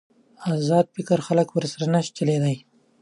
ازاد فکر خلک ورسره نشي چلېدای.